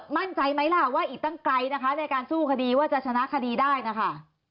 มั่นใจไหมล่ะว่าอีกตั้งไกลนะคะในการสู้คดีว่าจะชนะคดีได้นะคะ